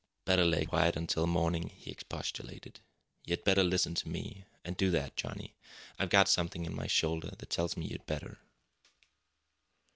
"Better lay quiet until morning," he expostulated. "You'd better listen to me, an' do that, Johnny. I've got something in my shoulder that tells me you'd better!"